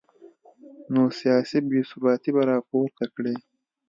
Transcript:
نو سیاسي بې ثباتي به سر راپورته کړي